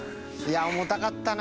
重たかったな。